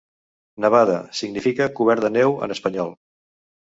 "Nevada" significa "cobert de neu" en espanyol.